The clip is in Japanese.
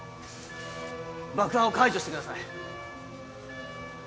爆破を解除してください。